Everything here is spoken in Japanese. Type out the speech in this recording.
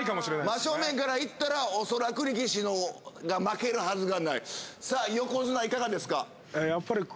真正面からいったらおそらく力士が負けるはずがないさあ横綱いかがですか？